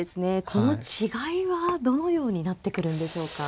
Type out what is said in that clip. この違いはどのようになってくるんでしょうか。